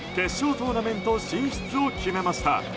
トーナメント進出を決めました。